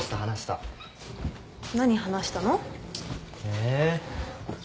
何話したの？え？